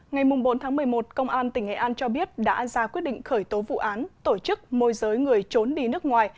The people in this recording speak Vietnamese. ngày bốn tháng một mươi một công an tỉnh nghệ an cho biết đã ra quyết định khởi tố vụ án tổ chức môi giới người trốn đi nước ngoài